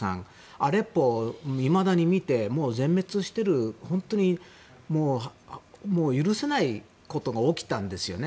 アレッポで全滅している本当に許せないことが起きたんですよね。